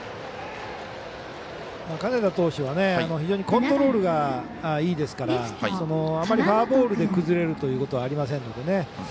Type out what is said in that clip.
金田投手は非常にコントロールがいいですからあまりフォアボールで崩れるということはありませんのでね